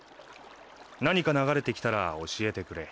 何か流れてきたら教えてくれ。